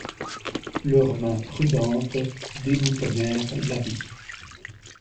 Leurs mains prudentes déboutonnèrent l'habit.